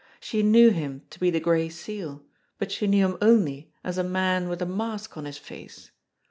She knew him to be the Gray Seal, but she knew him only as a man with a mask on his face.